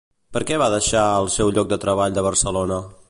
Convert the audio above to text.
Per què va deixar el seu lloc de treball de Barcelona?